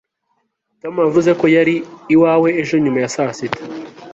tom yavuze ko yari iwawe ejo nyuma ya saa sita